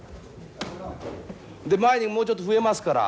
前にもうちょっと増えますから。